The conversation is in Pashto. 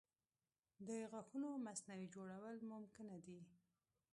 د غاښونو مصنوعي جوړول ممکنه دي.